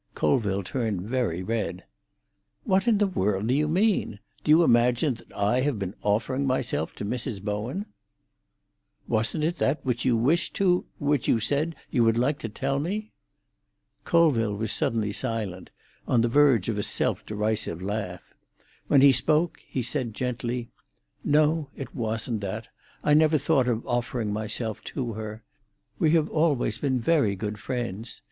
Colville turned very red. "What in the world do you mean? Do you imagine that I have been offering myself to Mrs. Bowen?" "Wasn't it that which you wished to—which you said you would like to tell me?" Colville was suddenly silent, on the verge of a self derisive laugh. When he spoke, he said gently: "No; it wasn't that. I never thought of offering myself to her. We have always been very good friends.